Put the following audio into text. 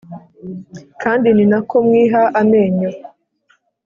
kandi ni nako mwiha amenyo